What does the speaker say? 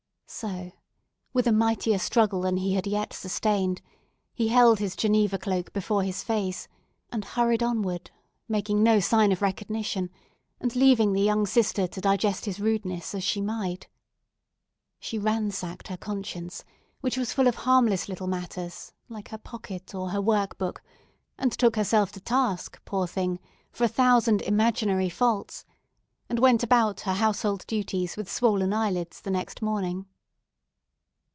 So—with a mightier struggle than he had yet sustained—he held his Geneva cloak before his face, and hurried onward, making no sign of recognition, and leaving the young sister to digest his rudeness as she might. She ransacked her conscience—which was full of harmless little matters, like her pocket or her work bag—and took herself to task, poor thing! for a thousand imaginary faults, and went about her household duties with swollen eyelids the next morning.